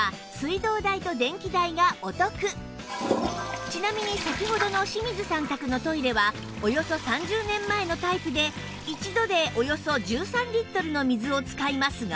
まずちなみに先ほどの清水さん宅のトイレはおよそ３０年前のタイプで１度でおよそ１３リットルの水を使いますが